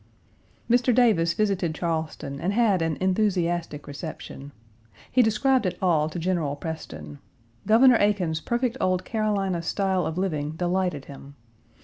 Mr. Davis visited Charleston and had an enthusiastic reception. He described it all to General Preston. Governor Aiken's perfect old Carolina style of living delighted him.